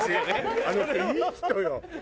あの人いい人よ。